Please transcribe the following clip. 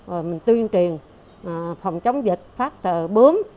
rồi mình tuyên truyền phòng chống dịch phát tờ bướm